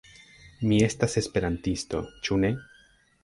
Mi estas esperantisto, ĉu ne?